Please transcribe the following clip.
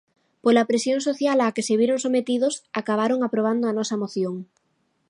Pola presión social á que se viron sometidos, acabaron aprobando a nosa moción.